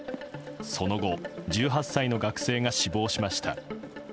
その後１８歳の学生が死亡しました。